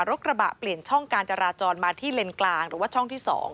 กระบะเปลี่ยนช่องการจราจรมาที่เลนกลางหรือว่าช่องที่๒